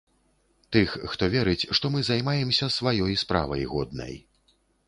Тых, хто верыць, што мы займаемся сваёй справай годнай.